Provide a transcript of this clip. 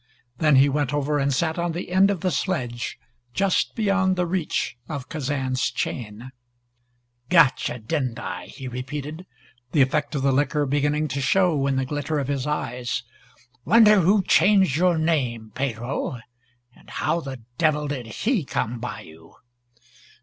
Then he went over and sat on the end of the sledge, just beyond the reach of Kazan's chain. "Got you, didn't I?" he repeated, the effect of the liquor beginning to show in the glitter of his eyes. "Wonder who changed your name, Pedro. And how the devil did he come by you?